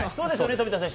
富田選手。